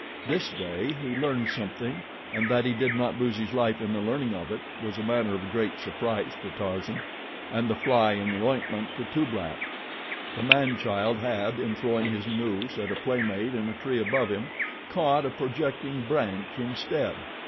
This day he learned something, and that he did not lose his life in the learning of it, was a matter of great surprise to Tarzan, and the fly in the ointment, to Tublat. The man child had, in throwing his noose at a playmate in a tree above him, caught a projecting branch instead.